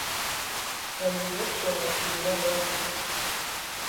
امروزه سنتی بودن رسم است.